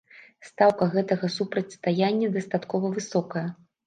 Стаўка гэтага супрацьстаяння дастаткова высокая.